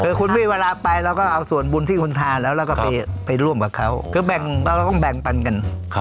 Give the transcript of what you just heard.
คือคุณไม่มีเวลาไปเราก็เอาส่วนบุญที่คุณทานแล้วแล้วก็ไปร่วมกับเขาคือเราต้องแบ่งปันกัน